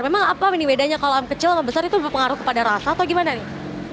memang apa ini bedanya kalau ayam kecil sama besar itu berpengaruh kepada rasa atau gimana nih